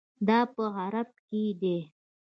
دا په غرب کې دي.